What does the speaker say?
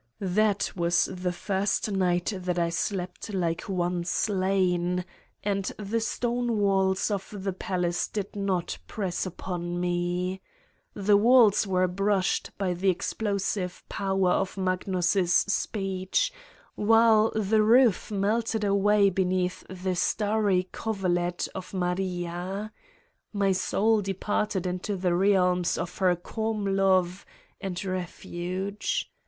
That was the first night that I slept like one slain and the stone walls of the palace did not press upon me. The walls were brushed by the explosive power of Magnus ' speech, while the roof melted away beneath the starry coverlet of Maria: my soul departed into the realms of her calm love and refuge.